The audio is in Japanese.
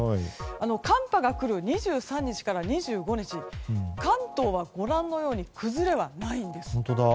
寒波が来る２３日から２５日関東は、ご覧のように崩れはないんです。